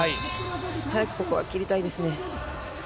早くここは切りたいですね。